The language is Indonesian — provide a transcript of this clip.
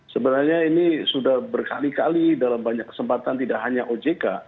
sebenarnya ini sudah berkali kali dalam banyak kesempatan tidak hanya ojk